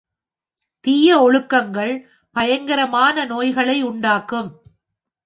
தீய ஒழுக்கங்கள் பயங்கரமான நோய்களை உண்டாக்கும்.